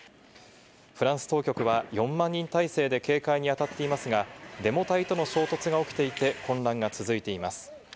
フランス当局は４万人態勢で警戒にあたっていますが、デモ隊との衝突が起きていて、混乱が続いています。